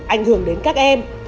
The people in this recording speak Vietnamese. ảnh hưởng đến các em